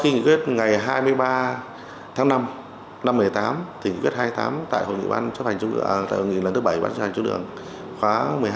năm hai nghìn một mươi ba tháng năm năm hai nghìn một mươi tám nghị quyết hai mươi tám tại hội nghị lần thứ bảy ban hành chống đường khóa một mươi hai